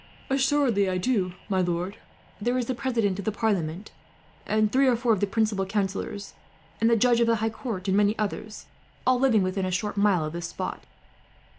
"Assuredly I do, my lord. There is the President of the Parliament, and three or four of the principal councillors, and the Judge of the High Court, and many others, all living within a short mile of this spot."